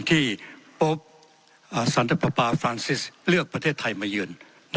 ที่พบสันทปาฟรานซิสเลือกประเทศไทยมาเยือน